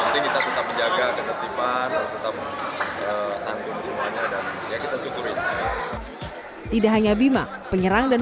kita tetap menjaga ketertiban tetap santun semuanya dan ya kita syukur tidak hanya bima penyerang dan